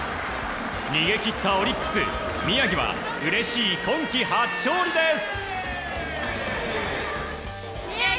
逃げ切ったオリックス宮城はうれしい今季初勝利です。